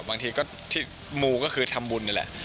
บางทีก็ที่มูก็คือทำบุญนี่แหละ